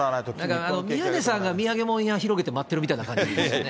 だから宮根さんが土産物屋広げて待ってるみたいな感じですね。